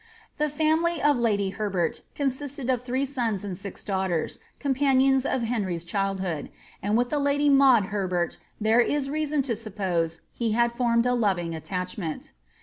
The family of lady Herbert consisted of tliree sons and six daugliters, companions of Henry's childhood, and with the lady Maud Herbert there is reason to suppose he had formed a loving attachment.